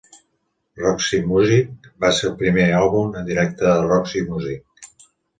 "Roxy Music" va ser el primer àlbum en directe de Roxy Music.